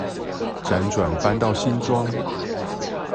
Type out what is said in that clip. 輾轉搬到新莊